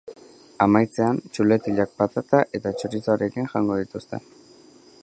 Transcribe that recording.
Amaitzean, txuletillak patata eta txorizoarekin jango dituzte.